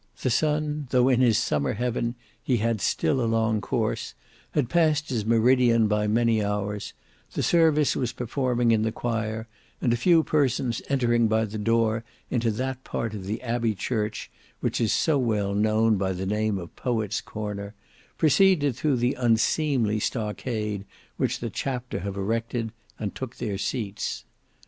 The sun, though in his summer heaven he had still a long course, had passed his meridian by many hours, the service was performing in the choir, and a few persons entering by the door into that part of the Abbey Church which is so well known by the name of Poet's Corner, proceeded through the unseemly stockade which the chapter have erected, and took their seats.